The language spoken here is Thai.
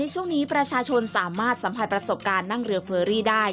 ช่วงนี้ประชาชนสามารถสัมผัสประสบการณ์นั่งเรือเฟอรี่ได้